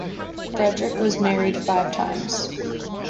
Frederick was married five times.